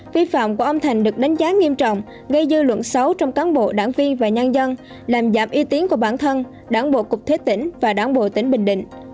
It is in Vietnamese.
vi phạm của âm thành được đánh giá nghiêm trọng gây dư luận xấu trong cán bộ đảng viên và nhân dân làm giảm uy tín của bản thân đảng bộ cục thế tỉnh và đảng bộ tỉnh bình định